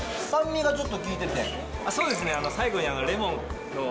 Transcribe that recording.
そうですね。